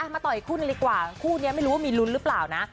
มาต่ออีกคู่นึงดีกว่าคู่นี้ไม่รู้ว่ามีลุ้นหรือเปล่านะ